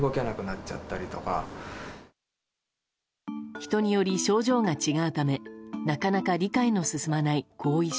人により症状が違うためなかなか理解の進まない後遺症。